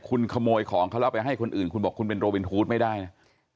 คุณขโมยของเขาแล้วไปให้คนอื่นคุณบอกคุณเป็นโรวินทูตไม่ได้นะ